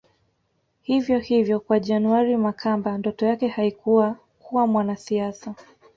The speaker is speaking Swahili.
Hivyo hivyo kwa January Makamba ndoto yake haikuwa kuwa mwanasiasa